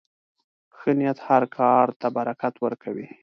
ښه نیت هر کار ته برکت ورکوي.